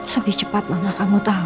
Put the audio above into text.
lebih cepat mama kamu tau